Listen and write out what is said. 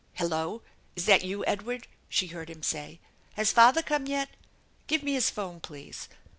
" Hello! Is that you, Edward?" she heard him say. " Has father come yet ? Give me his phone, please.